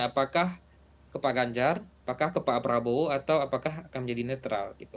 apakah ke pak ganjar apakah ke pak prabowo atau apakah akan menjadi netral